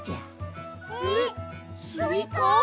えっスイカ？